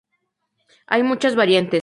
Hay muchas variantes.